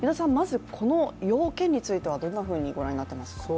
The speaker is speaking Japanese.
この要件については、どのようにご覧になっていますか？